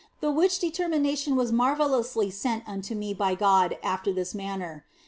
The which determination was marvellously sent unto me by God after this manner.